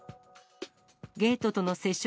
ゲートとの接触